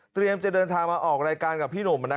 จะเดินทางมาออกรายการกับพี่หนุ่ม